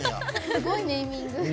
すごいネーミング。